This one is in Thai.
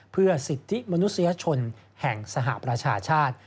เพื่อสิทธิมนุษยชนแห่งสหประชาชาติ